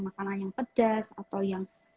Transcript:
makanan yang pedas atau yang